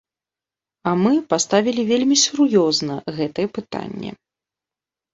А мы паставілі вельмі сур'ёзна гэтае пытанне.